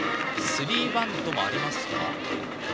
スリーバントもありますか。